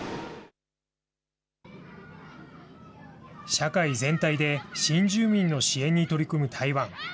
社会全体で新住民の支援に取り組む台湾。